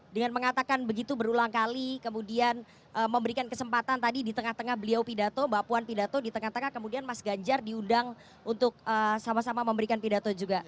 dengan mengatakan begitu berulang kali kemudian memberikan kesempatan tadi di tengah tengah beliau pidato mbak puan pidato di tengah tengah kemudian mas ganjar diundang untuk sama sama memberikan pidato juga